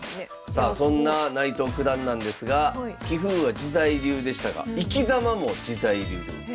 さあそんな内藤九段なんですが棋風は自在流でしたが生きざまも自在流でございます。